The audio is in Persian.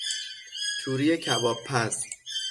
توری کباب پز